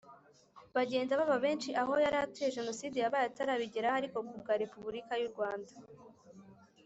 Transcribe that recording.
Bagenda baba benshi aho yari atuye jenoside yabaye atarabigeraho ariko ku bwa repubulika y u rwanda